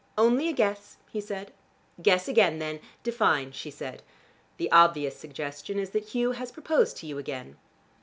"Only a guess," he said. "Guess again then: define," she said. "The obvious suggestion is that Hugh has proposed to you again."